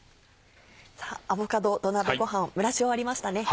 さぁアボカド土鍋ごはん蒸らし終わりましたね。